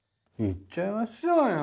行っちゃいましょうよ。